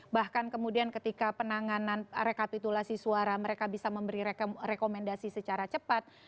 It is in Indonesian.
bahkan kemudian ketika penanganan rekapitulasi suara mereka bisa memberi rekomendasi secara cepat